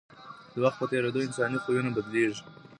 د وخت په تېرېدو انساني خویونه بدلېږي.